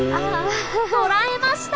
捕らえました！